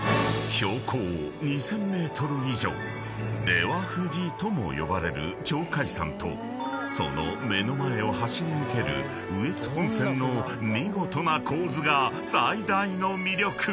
［出羽富士とも呼ばれる鳥海山とその目の前を走り抜ける羽越本線の見事な構図が最大の魅力］